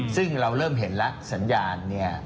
ซึ่งเราเริ่มเห็นแล้วสัญญาณเนี่ย